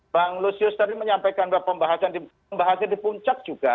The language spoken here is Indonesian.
bang lusius tadi menyampaikan bahwa pembahasannya di puncak juga